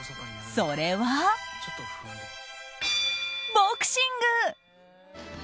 それはボクシング。